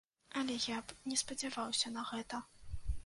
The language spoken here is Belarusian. Але я б не спадзяваўся на гэта.